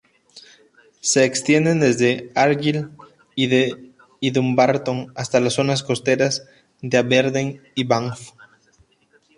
Se extienden desde Argyll y Dumbarton hasta las zonas costeras de Aberdeen y Banff.